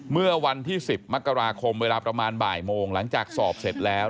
เมื่อวันที่๑๐มกราคมเวลาประมาณบ่ายโมงหลังจากสอบเสร็จแล้ว